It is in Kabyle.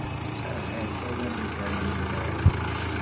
Ahat ad am-iban yimal.